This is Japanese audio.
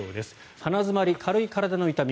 鼻詰まり、軽い体の痛み。